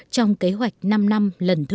trong kế hoạch năm năm lần thứ một mươi